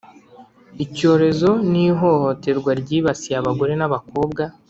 icyorezo nihohoterwa ryibasiye abagore n’abakobwa